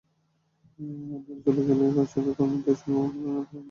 অন্যরা চলে গেলেও ফায়ার সার্ভিস কর্মীদের সঙ্গে মুকুল রানা পানি ছিটাতে থাকেন।